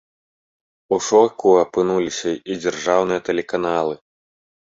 У шоку апынуліся і дзяржаўныя тэлеканалы.